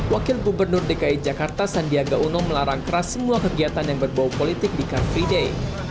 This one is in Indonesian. wakil gubernur dki jakarta sandiaga uno melarang keras semua kegiatan yang berbau politik di car free day